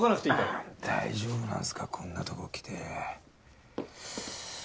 あぁ大丈夫なんすか？こんなとこ来て。